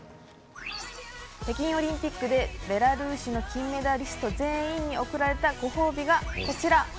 北京オリンピックでベラルーシの金メダリスト全員に贈られたご褒美が、こちら。